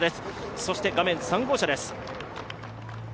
そして画面、３号車です。